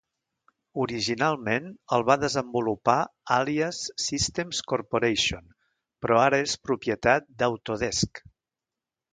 Originalment, el va desenvolupar Alias Systems Corporation, però ara és propietat d'Autodesk.